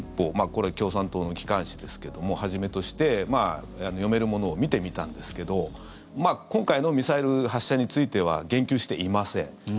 これ、共産党の機関紙ですけどもはじめとして読めるものを見てみたんですけど今回のミサイル発射については言及していません。